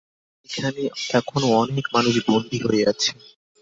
এখানে এখনো অনেক মানুষ বন্দী হয়ে আছে।